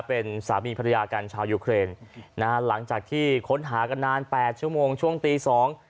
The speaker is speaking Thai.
เป็นสามีภรรยากันชาวยูเครนนะฮะหลังจากที่ค้นหากันนานแปดชั่วโมงช่วงตีสอง